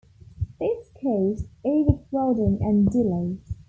This caused overcrowding and delays.